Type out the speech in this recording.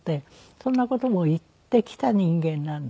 そんな事も言ってきた人間なんですよ。